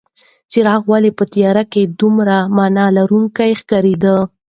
څراغ ولې په تیاره کې دومره مانا لرونکې ښکارېده؟